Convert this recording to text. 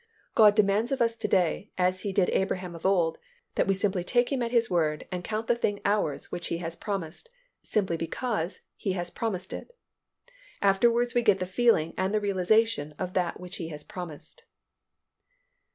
God demands of us to day, as He did Abraham of old, that we simply take Him at His Word and count the thing ours which He has promised, simply because He has promised it. Afterwards we get the feeling and the realization of that which He has promised.